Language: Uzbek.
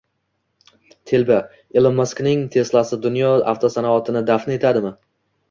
«Telba» Ilon Maskning Tesla’si dunyo avtosanoatini «dafn etadi»mi?